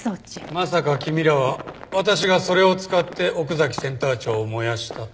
まさか君らは私がそれを使って奥崎センター長を燃やしたと？